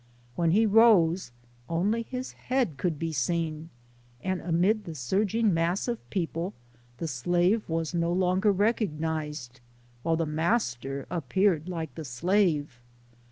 When he rose, only his head could be seen, and amid the surging mass of people the slave was no longer recognized, while the master appeared like the slave.